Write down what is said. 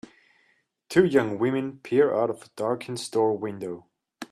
Two young women peer out of a darkened store window.